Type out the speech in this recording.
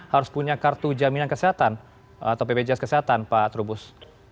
harus punya kartu jaminan kesehatan atau bpjs kesehatan pak trubus